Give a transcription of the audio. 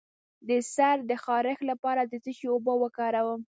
د سر د خارښ لپاره د څه شي اوبه وکاروم؟